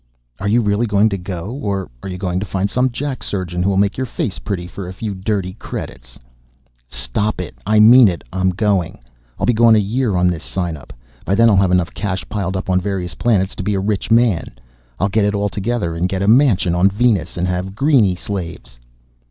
"Are you really going to go? Or are you going to find some jack surgeon who'll make your face pretty for a few dirty credits?" "Stop it. I mean it. I'm going. I'll be gone a year on this signup. By then I'll have enough cash piled up on various planets to be a rich man. I'll get it all together and get a mansion on Venus, and have Greenie slaves."